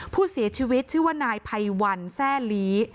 ผู้เสียชีวิตชื่อว่านายภัยวันแซ่ลี